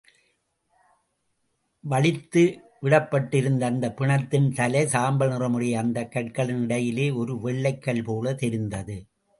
வழித்துவிடப்பட்டிருந்த அந்தப் பிணத்தின் தலை, சாம்பல் நிறமுடைய அந்தக் கற்களின் இடையிலே, ஒரு வெள்ளைக் கல் போலத் தெரிந்தது.